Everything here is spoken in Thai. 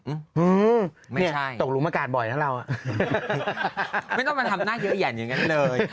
มื้อมไม่ใช่ตกลุมากาดบ่อยนะเราไม่ต้องรับมาทำหน้าเหยียนอย่างเงี้ยเลย